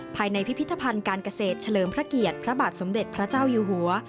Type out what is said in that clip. ภายในพิพิธภัณฑ์การเกษตรเฉลิมพระเกียรติพระบาทสมเด็จพระเจ้าอยู่หัว